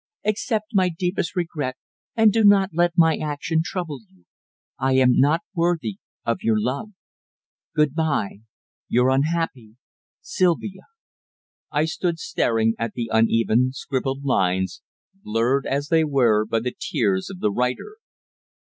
Accept my deepest regret, and do not let my action trouble you. I am not worthy of your love. Good bye. Your unhappy SYLVIA." I stood staring at the uneven scribbled lines, blurred as they were by the tears of the writer.